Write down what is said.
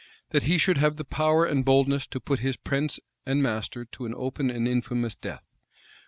That he should have the power and boldness to put his prince and master to an open and infamous death?